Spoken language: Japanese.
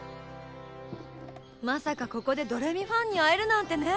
まさかここで「どれみ」ファンに会えるなんてね！